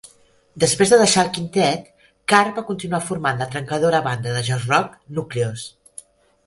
Després de deixar el quintet, Carr va continuar formant la trencadora banda de jazz-rock Nucleus.